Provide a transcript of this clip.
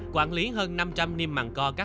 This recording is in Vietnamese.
quản lý hơn năm trăm linh niệm vụ